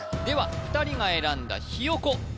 では２人が選んだひよ子